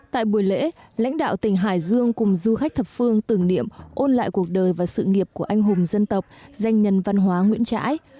tại buổi lễ lãnh đạo tỉnh hải dương cùng du khách thập phương tưởng niệm ôn lại cuộc đời và sự nghiệp của anh hùng dân tộc danh nhân văn hóa nguyễn trãi